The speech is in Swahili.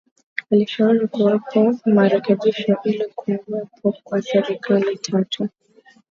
Alishauri kuwapo marekebisho ili kuwepo kwa serikali tatu